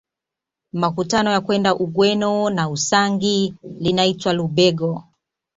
Makutano ya kwenda Ugweno na Usangi linaitwa Lubegho